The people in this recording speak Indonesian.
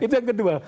itu yang kedua